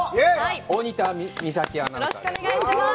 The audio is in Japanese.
大仁田美咲アナウンサーです。